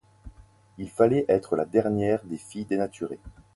Il fallait être la dernière des filles dénaturées.